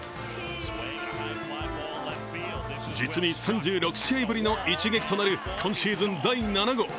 実に３６試合ぶりの一撃となる今シーズン第７号。